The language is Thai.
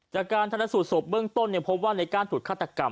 จากการทันสูตศพเบื้องต้นพบว่าในก้านถูกฆาตกรรม